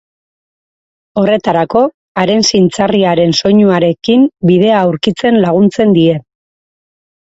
Horretarako haren zintzarriaren soinuarekin bidea aurkitzen laguntzen die.